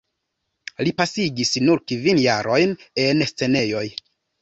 Li pasigis nur kvin jarojn en scenejoj.